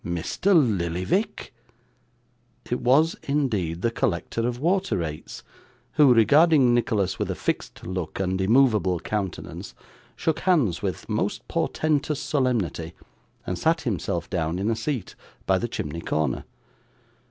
Mr Lillyvick?' It was, indeed, the collector of water rates who, regarding Nicholas with a fixed look and immovable countenance, shook hands with most portentous solemnity, and sat himself down in a seat by the chimney corner.